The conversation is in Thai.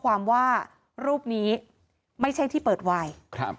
ความว่ารูปนี้ไม่ใช่ที่เปิดไวน์